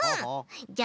じゃあね